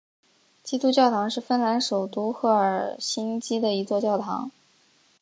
基督教堂是芬兰首都赫尔辛基的一座教堂。